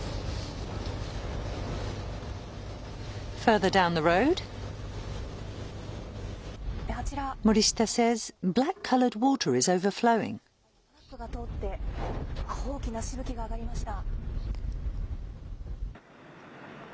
今、トラックが通って、大きなしぶきが上がりました。